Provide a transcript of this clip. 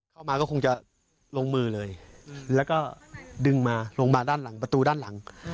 เข้ามาก็คงจะลงมือเลยแล้วก็ดึงมาลงมาด้านหลังประตูด้านหลัง